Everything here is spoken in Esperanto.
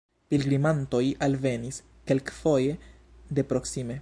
Pilgrimantoj alvenis, kelkfoje de proksime.